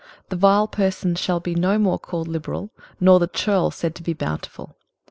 23:032:005 The vile person shall be no more called liberal, nor the churl said to be bountiful.